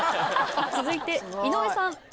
続いて井上さん。